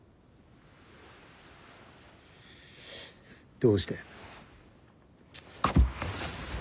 どうして？